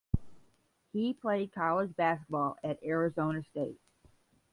He played college basketball at Arizona State.